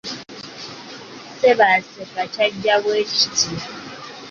Ssebaaseka kyajja bwe kiti;